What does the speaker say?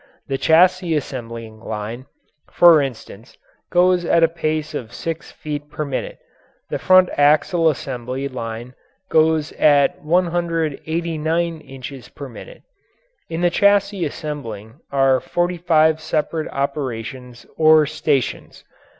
The chassis assembling line, for instance, goes at a pace of six feet per minute; the front axle assembly line goes at one hundred eighty nine inches per minute. In the chassis assembling are forty five separate operations or stations.